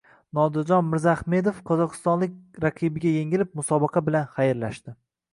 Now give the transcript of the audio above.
Nodirjon Mirzahmedov qozog‘istonlik raqibiga yengilib, musobaqa bilan xayrlashdi